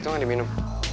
itu gak diminum